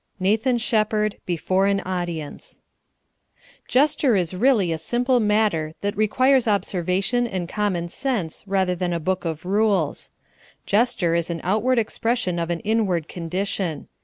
NATHAN SHEPPARD, Before an Audience. Gesture is really a simple matter that requires observation and common sense rather than a book of rules. Gesture is an outward expression of an inward condition.